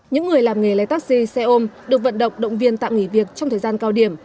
những người làm nghề lấy taxi xe ôm được vận động động viên tạm nghỉ việc trong thời gian cao điểm